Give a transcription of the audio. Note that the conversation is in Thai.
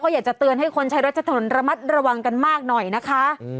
อยากจะเตือนให้คนใช้รถใช้ถนนระมัดระวังกันมากหน่อยนะคะ